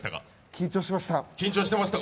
緊張していました。